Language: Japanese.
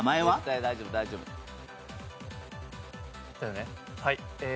はい。